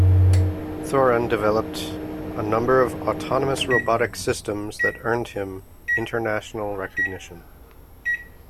Thrun developed a number of autonomous robotic systems that earned him international recognition.